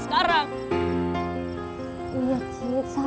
aku mau ke rumah